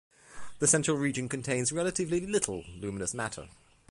The central region contains relatively little luminous matter.